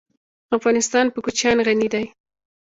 افغانستان په کوچیان غني دی.